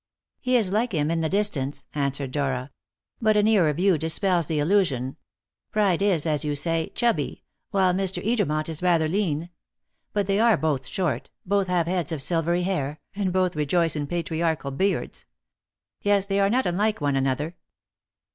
"He is like him in the distance," answered Dora, "but a nearer view dispels the illusion. Pride is, as you say, chubby, while Mr. Edermont is rather lean. But they are both short, both have heads of silvery hair, and both rejoice in patriarchal beards. Yes, they are not unlike one another."